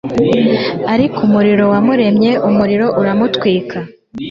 ariko umuriro wamuremye, umuriro uramutwika